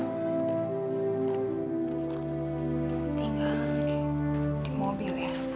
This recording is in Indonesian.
tinggal di mobil ya